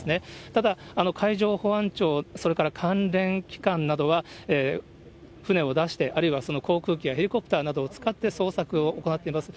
ただ海上保安庁、それから関連機関などは船を出して、あるいは航空機やヘリコプターなどを使って、捜索を行っています。